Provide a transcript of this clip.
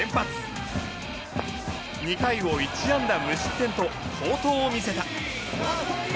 ２回を１安打無失点と好投を見せた。